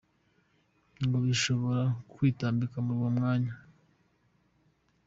ngo bishobora kwitambika mu mwanya!